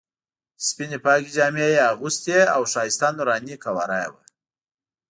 سپینې پاکې جامې یې اغوستې او ښایسته نوراني قواره یې وه.